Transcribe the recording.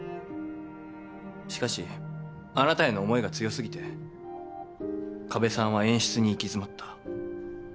しかしあなたへの思いが強すぎて加部さんは演出に行き詰まった。